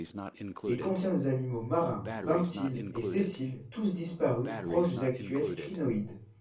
Il contient des animaux marins benthiques et sessiles, tous disparus, proches des actuels crinoïdes.